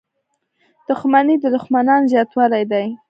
• دښمني د دوښمنانو زیاتوالی دی.